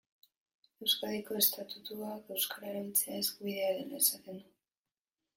Euskadiko estatutuak euskara erabiltzea eskubidea dela esaten du.